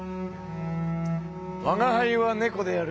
「吾輩は猫である」